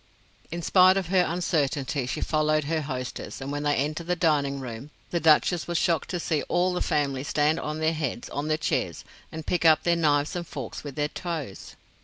In spite of her uncertainty, she followed her hostess, and when they entered the dining room the Duchess was shocked to see all the family stand on their heads on the chairs and pick up their knives and forks with their toes.